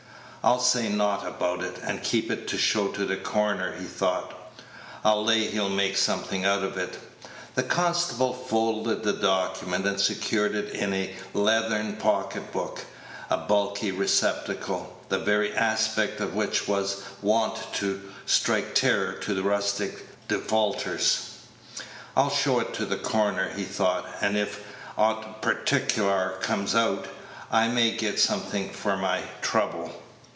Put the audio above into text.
"I'll say naught about it, and keep it to show to th' coroner," he thought; "I'll lay he'll make something out of it." The constable folded the document, and secured it in a leathern pocket book, a bulky receptacle, the very aspect of which was wont to strike terror to rustic defaulters. "I'll show it to the coroner," he thought, "and if aught particklar comes out, I may get something for my trouble."